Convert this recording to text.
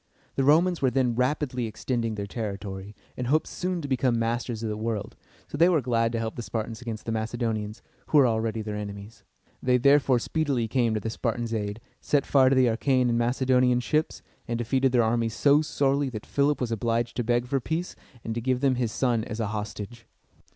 The Romans were then rapidly extending their territory, and hoped soon to become masters of the world, so they were glad to help the Spartans against the Macedonians, who were already their enemies. They therefore speedily came to the Spartans' aid, set fire to the Achæan and Macedonian ships, and defeated their armies so sorely, that Philip was obliged to beg for peace and to give them his son as a hostage.